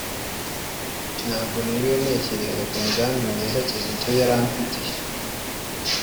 ntabwo niriwe ntekereza ku migambi myiza Kizito yari amfitiye